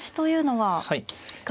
はい。